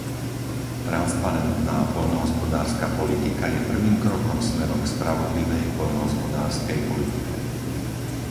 Transparentná poľnohospodárska politika je prvým krokom smerom k spravodlivej poľnohospodárskej politike.